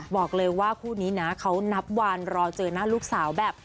บอกเลยว่าคู่นี้นะเขานับวันรอเจอหน้าลูกสาวแบบ